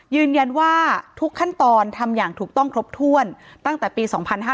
ยืนยันว่าทุกขั้นตอนทำอย่างถูกต้องครบถ้วนตั้งแต่ปี๒๕๕๙